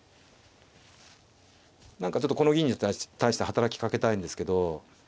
何かちょっとこの銀に対して働きかけたいんですけど。